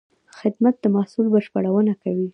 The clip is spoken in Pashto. خدمت د محصول بشپړونه کوي.